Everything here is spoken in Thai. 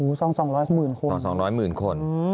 หูส่อง๒๐๐มึงคนส่อง๒๐๐มึงคน